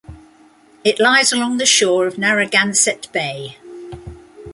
It lies along the shore of Narragansett Bay.